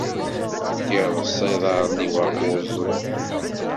Ireṣṣa iḍarren-iw ɣef uẓru.